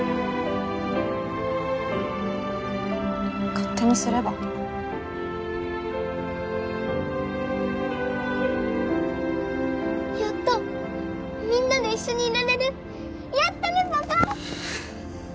勝手にすればやったみんなで一緒にいられるやったねパパ！